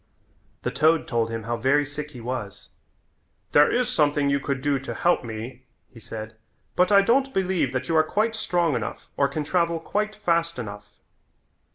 The toad told him how very sick he was. "There is something you could do to help me," he said, "but I don't believe that you are quite strong enough or can travel quite fast enough."